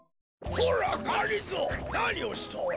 こらがりぞーなにをしておる？